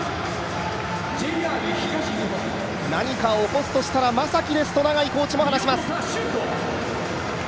何かを起こすとしたら将希ですとコーチも話します。